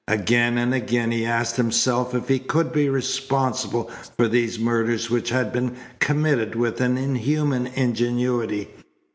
Again and again he asked himself if he could be responsible for these murders which had been committed with an inhuman ingenuity.